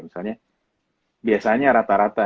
misalnya biasanya rata rata